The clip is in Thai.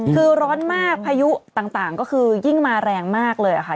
คือร้อนมากพายุต่างก็คือยิ่งมาแรงมากเลยค่ะ